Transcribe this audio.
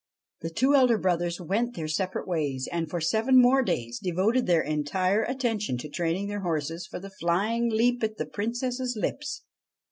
The two elder brothers went their separate ways, and for seven more days devoted their entire attention to training their horses for the flying leap at the Princess's lips.